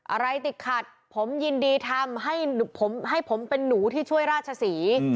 อะไรติดขัดผมยินดีทำให้ผมเป็นหนูที่ช่วยราชศรี